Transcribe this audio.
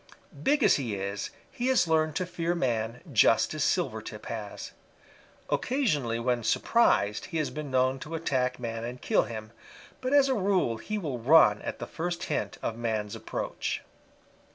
Big as he is, he has learned to fear man just as Silvertip has. Occasionally when surprised he has been known to attack man and kill him, but as a rule he will run at the first hint of man's approach.